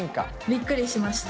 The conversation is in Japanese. びっくりしました。